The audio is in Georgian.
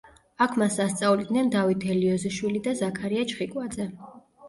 აქ მას ასწავლიდნენ დავით ელიოზიშვილი და ზაქარია ჩხიკვაძე.